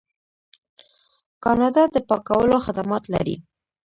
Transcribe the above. کاناډا د پاکولو خدمات لري.